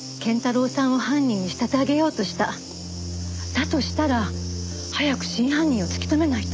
だとしたら早く真犯人を突き止めないと。